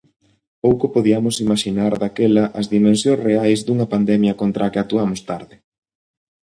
Pouco podiamos imaxinar daquela as dimensións reais dunha pandemia contra a que actuamos tarde.